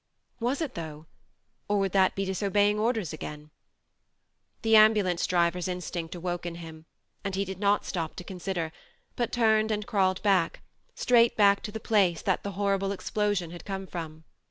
... Was it, though ? Or would that be disobeying orders again ? The Ambulance driver's instinct awoke in him, and he did not stop to consider, but turned and crawled back, straight back to the place that the horrible explosion had come from.